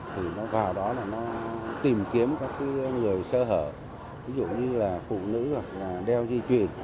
thì nó vào đó là nó tìm kiếm các người sơ hở ví dụ như là phụ nữ hoặc là đeo di chuyển